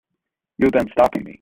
You have been stopping me.